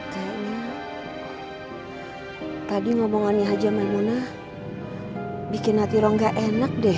kayaknya tadi ngomongannya haji maimunah bikin hati rom nggak enak deh